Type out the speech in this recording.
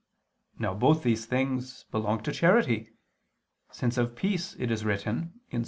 Now both these things belong to charity: since of peace it is written (Ps.